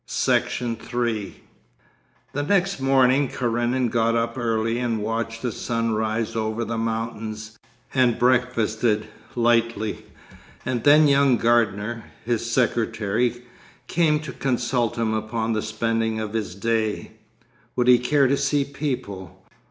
Section 3 The next morning Karenin got up early and watched the sun rise over the mountains, and breakfasted lightly, and then young Gardener, his secretary, came to consult him upon the spending of his day. Would he care to see people?